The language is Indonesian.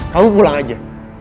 kamu pulang aja